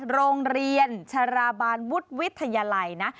โรงเรียนชราบาลวุฒิวิทยาลัยนะ